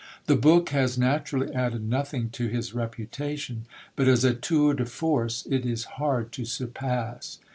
The book has naturally added nothing to his reputation, but as a tour de force it is hard to surpass.